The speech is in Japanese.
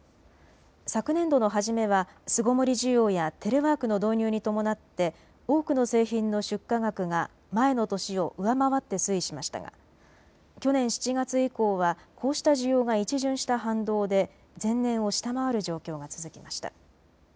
昨年度の初めは巣ごもり需要やテレワークの導入に伴って多くの製品の出荷額が前の年を上回って推移しましたが去年７月以降は、こうした需要が一巡した反動で前年を下回る状況が続きました。